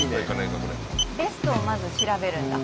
ベストをまず調べるんだ。